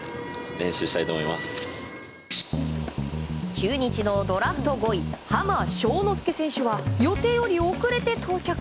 中日のドラフト５位濱将之介選手は予定より遅れて到着。